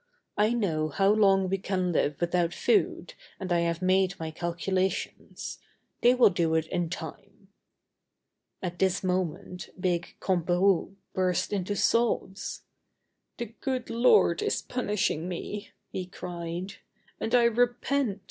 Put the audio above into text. "I know how long we can live without food and I have made my calculations. They will do it in time." At this moment big Comperou burnt into sobs. "The good Lord is punishing me," he cried, "and I repent!